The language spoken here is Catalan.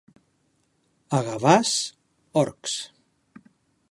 A Gavàs, orcs.